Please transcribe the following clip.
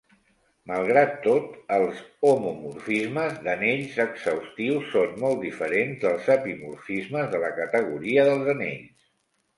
Malgrat tot, els homomorfismes d'anells exhaustius són molt diferents dels epimorfismes de la categoria dels anells.